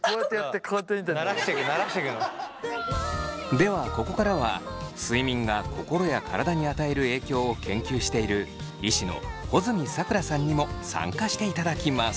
ではここからは睡眠が心や体に与える影響を研究している医師の穂積桜さんにも参加していただきます。